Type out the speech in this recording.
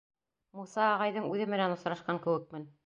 Муса ағайҙың үҙе менән осрашҡан кеүекмен.